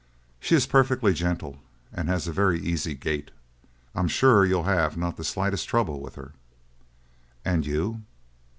"She is perfectly gentle and has a very easy gait. I'm sure you'll have not the slightest trouble with her." "And you?"